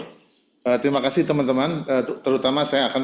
terima kasih teman teman terutama saya akan